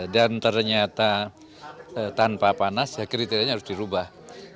dan ternyata tanpa panas ya kriterianya harus dirubah